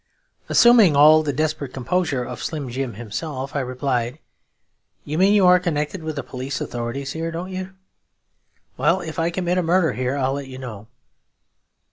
Assuming all the desperate composure of Slim Jim himself, I replied, 'You mean you are connected with the police authorities here, don't you? Well, if I commit a murder here, I'll let you know.'